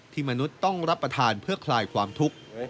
มนุษย์ต้องรับประทานเพื่อคลายความทุกข์